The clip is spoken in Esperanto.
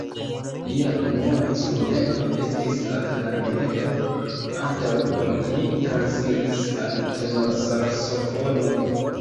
Lia unua instrumento estis la klarneto, antaŭ ol li transiris al tenorsaksofono.